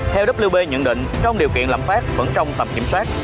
theo wb nhận định trong điều kiện lạm phát vẫn trong tầm kiểm soát